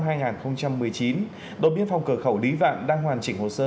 tổ tuần tra kiểm soát thuộc đồn biên phòng cửa khẩu lý vạn đang hoàn chỉnh hồ sơ